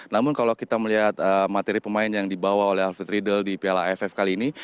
namun kalau kita melihat materi pemain yang dibawa oleh alfred riedel di piala aff kali ini